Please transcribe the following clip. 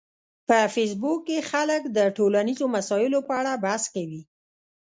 په فېسبوک کې خلک د ټولنیزو مسایلو په اړه بحث کوي